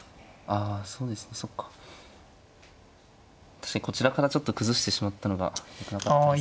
確かにこちらからちょっと崩してしまったのがいけなかったですかね。